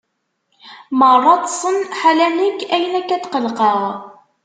Meṛṛa ṭṭsen, ḥala nekk, ayen akka tqelqeɣ?